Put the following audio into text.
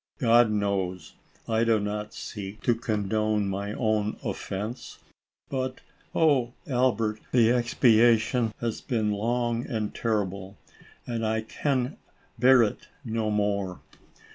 God knows, I do not seek to condone my own offence, but, oh Albert, the expiation has been long and terrible, and I can bear it no more